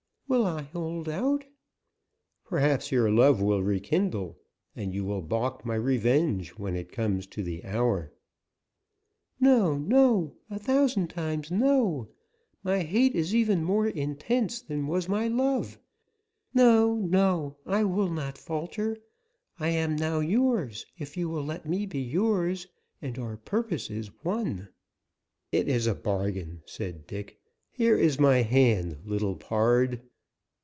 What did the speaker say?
"Will I hold out " "Perhaps your love will rekindle, and you will balk my revenge when it comes to the hour " "No, no, a thousand times no! My hate is even more intense than was my love. No, no, I will not falter; I am now yours, if you will let me be yours, and our purpose is one." "It is a bargain," said Dick. "Here is my hand, little pard."